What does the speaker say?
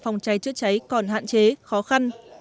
phòng cháy trựa cháy còn hạn chế khó khăn